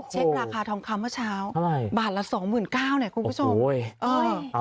เช็คราคาทองค้าเมื่อเช้าบาทละ๒๙๐๐๐บาทไหนคุณผู้ชม